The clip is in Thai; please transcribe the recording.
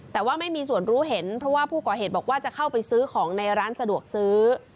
แต่ว่าไม่มีส่วนรู้เห็นเพราะว่าผู้ก่อเหตุบอกว่าจะเข้าไปซื้อของในร้านสะดวกซื้อ